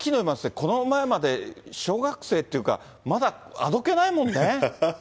この前まで小学生というか、まだあどけないもんね。